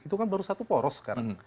itu kan baru satu poros sekarang